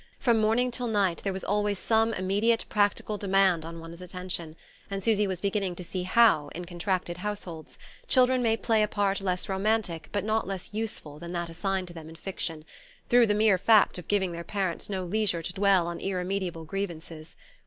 From morning till night there was always some immediate practical demand on one's attention; and Susy was beginning to see how, in contracted households, children may play a part less romantic but not less useful than that assigned to them in fiction, through the mere fact of giving their parents no leisure to dwell on irremediable grievances.